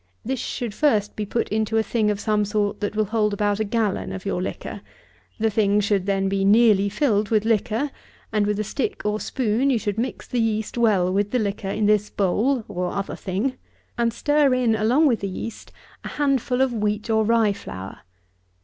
This should first be put into a thing of some sort that will hold about a gallon of your liquor; the thing should then be nearly filled with liquor, and with a stick or spoon you should mix the yeast well with the liquor in this bowl, or other thing, and stir in along with the yeast a handful of wheat or rye flour.